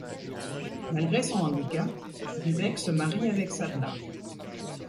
Malgré son handicap, Vivek se marie avec Sadhna.